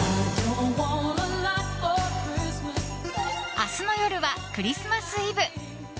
明日の夜はクリスマスイブ。